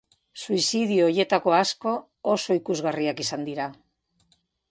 Suizidio horietako asko oso ikusgarriak izan dira.